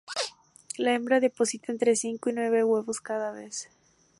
La hembra deposita entre cinco y nueve huevos cada vez.